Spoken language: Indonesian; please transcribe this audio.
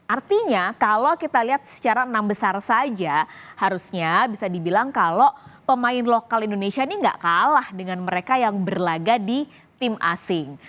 artinya kalau kita lihat secara enam besar saja harusnya bisa dibilang kalau pemain lokal indonesia ini gak kalah dengan mereka yang berlaga di tim asing